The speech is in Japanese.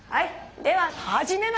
でははじめましょう。